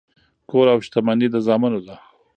کور او شتمني د زامنو ده.